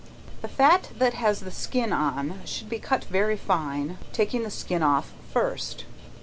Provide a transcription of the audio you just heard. The fat that has the skin on should be cut very fine, taking the skin off first.